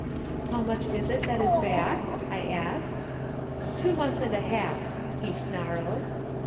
"' How much is it that is back ?' I asked. "' Two months and a half,' he snarled.